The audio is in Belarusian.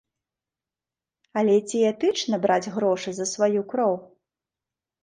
Але ці этычна браць грошы за сваю кроў?